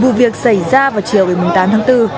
vụ việc xảy ra vào chiều tám tháng bốn